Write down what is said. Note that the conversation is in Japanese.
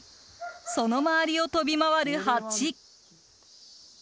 その周りを飛び回るハチ。